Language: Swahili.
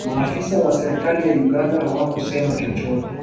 maafisa wa serikali ya uganda hawakusema chochote